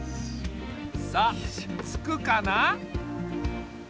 さあつくかな？